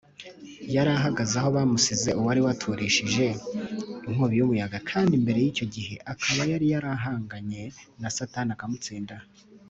yari ahagaze aho bamusize uwari yaturishije inkubi y’umuyaga kandi mbere y’icyo gihe akaba yari yarahanganye na satani akamutsinda,